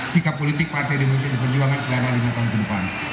sikap politik partai demokrasi indonesia diperjuangkan selama lima tahun ke depan